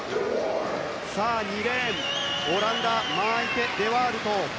２レーン、オランダのマーイケ・デ・ワールト。